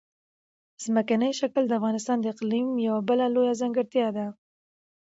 ځمکنی شکل د افغانستان د اقلیم یوه بله لویه ځانګړتیا ده.